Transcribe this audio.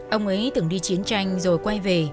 ông ấy từng đi chiến tranh rồi quay về